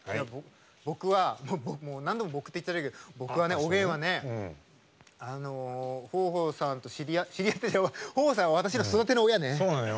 僕は何度も僕って言ってるけど僕はね、おげんはね豊豊さんと知り合って違う、豊豊さんは私の育ての親ね。